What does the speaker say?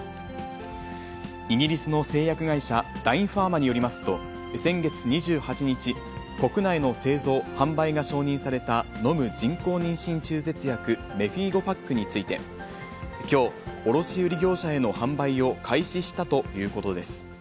イギリスの製薬会社、ラインファーマによりますと、先月２８日、国内の製造販売が承認された飲む人工妊娠中絶薬、メフィーゴパックについて、きょう、卸売り業者への販売を開始したということです。